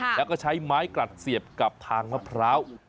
แล้วก็ใช้ไม้กลัดเสียบกับทางมะพร้าว